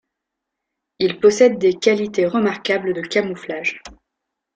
Il possède des qualités remarquables de camouflage.